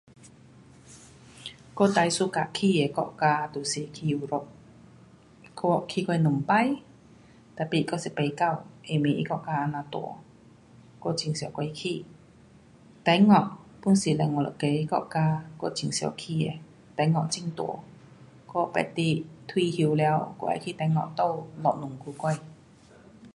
我最 suka 去的国家就是去 Europe 我有去过两次 tapi 还是不够，因为它国家这样大。我很想过去。中国 pun 是一个国家我很想去的。中国很大，我得等退休了，我要去中国住一两个月。